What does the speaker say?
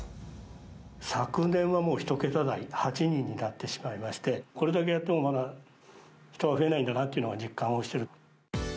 昨年はもう１桁台、８人になってしまいまして、これだけやっても、まだ人は増えないんだなっていうのは、実感をしている。